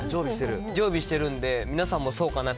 常備してるんで、皆さんもそうかなって。